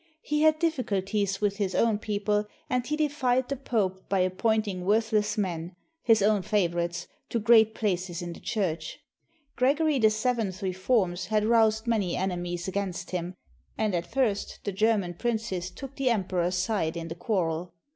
He had difl&culties with his own people, and he defied the Pope by appointing worthless men, his own favorites, to great places in the Church. Gregory VII's reforms had roused many ene mies against him, and at first the German princes took the Emperor's side in the quarrel.